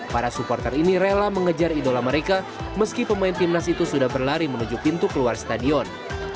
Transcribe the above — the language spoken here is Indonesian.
para supporter ini rela mengejar idola mereka meski pemain timnas itu sudah berlari menuju pintu keluar stadion